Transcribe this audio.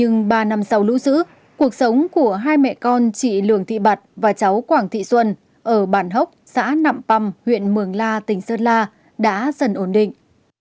năm sau lũ sữ cuộc sống của hai mẹ con chị lường thị bật và cháu quảng thị xuân ở bản hốc xã nạm păm huyện mường la tỉnh sơn la đã dần ổn định